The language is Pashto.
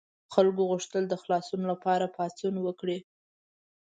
خلکو غوښتل د خلاصون لپاره پاڅون وکړي.